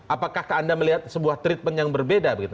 apakah anda melihat sebuah treatment yang berbeda begitu